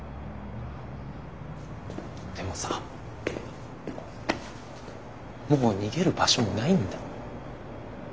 でもさもう逃げる場所もないんだ。